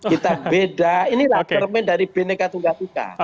kita beda ini lah termen dari bnk tunggak tuka